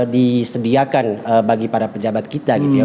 disediakan bagi para pejabat kita gitu ya